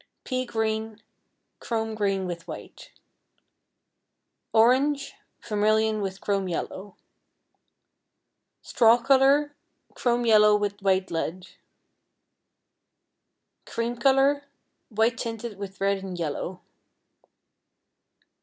Pea Green, chrome green with white. Orange, vermillion with chrome yellow. Straw Color, chrome yellow with white lead. Cream Color, white tinted with red and yellow.